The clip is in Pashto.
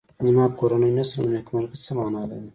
زما کورنۍ نشته نو نېکمرغي څه مانا لري